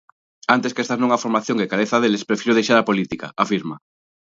Antes que estar nunha formación que careza deles prefiro deixar a política, afirma.